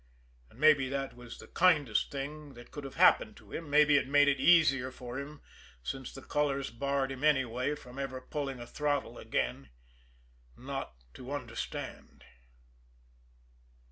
And maybe that was the kindest thing that could have happened to him, maybe it made it easier for him since the colors barred him anyway from ever pulling a throttle again not to understand!